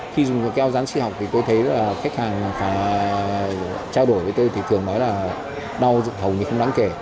khi dùng keo rán sinh học thì tôi thấy là khách hàng trao đổi với tôi thì thường nói là đau hầu như không đáng kể